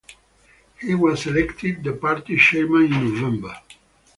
He was elected the party's chairman in November.